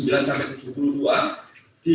di bawah itu empat puluh delapan sampai lima puluh